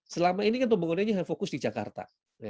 selama ini kan pembangunannya hanya fokus di jakarta